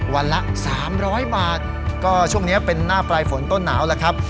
ละ๓๐๐บาทก็ช่วงนี้เป็นหน้าปลายฝนต้นหนาวแล้วครับ